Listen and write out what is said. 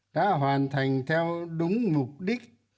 đã hoàn thành theo đúng mục đích